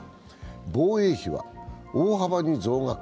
防衛費は大幅に増額。